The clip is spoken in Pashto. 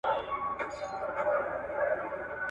کله چې تدریس عملي وي نو پوهنه اغېزناکه کیږي.